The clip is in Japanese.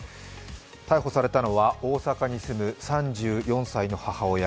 逮捕されたのは大阪に住む３４歳の母親。